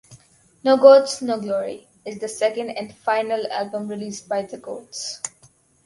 "No Goats, No Glory" is the second and final album released by The Goats.